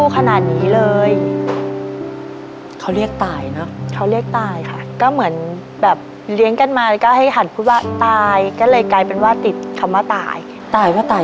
ก็เลยกลายเป็นว่าติดคำว่าตาย